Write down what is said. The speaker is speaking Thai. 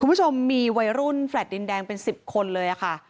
คุณผู้ชมมีวัยรุ่นแฟลต์ดินแดงเป็น๑๐คนเลยค่ะ